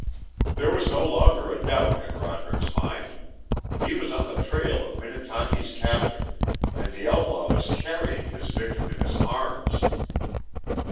There was no longer a doubt in Roderick's mind. He was on the trail of Minnetaki's captor, and the outlaw was carrying his victim in his arms!